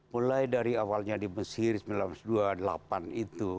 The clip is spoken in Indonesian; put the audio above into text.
mulai dari awalnya di mesir seribu sembilan ratus dua puluh delapan itu